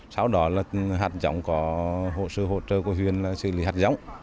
sau đó là hạt giống có hộ sư hỗ trợ của huyện xử lý hạt giống